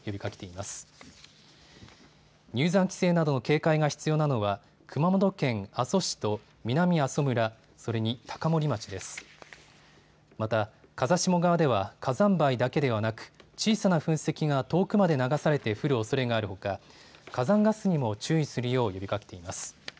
また風下側では火山灰だけではなく小さな噴石が遠くまで流されて降るおそれがあるほか火山ガスにも注意するよう呼びかけています。